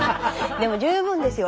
でも十分ですよ。